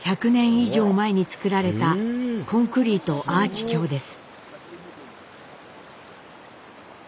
以上前に造られたコンクリートアーチ橋です。